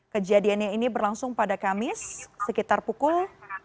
kejadiannya ini berlangsung pada kamis sekitar pukul